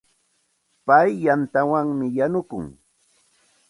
Pay yantawanmi yanukun.